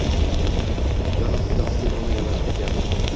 Yonimda bitta qiz telefonda gaplashib ketyapti